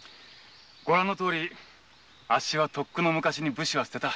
ご覧のとおりあっしはとっくの昔に武士は棄てた。